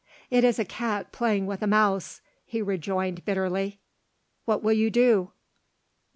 "It is a cat playing with a mouse," he rejoined bitterly. "What will you do?"